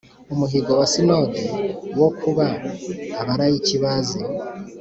umuhigo wa sinodi wo kuba abalayiki bazi